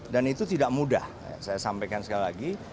dan itu tidak mudah saya sampaikan sekali lagi